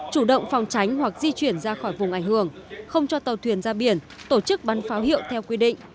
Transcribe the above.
chủ động phòng tránh hoặc di chuyển ra khỏi vùng ảnh hưởng không cho tàu thuyền ra biển tổ chức bắn pháo hiệu theo quy định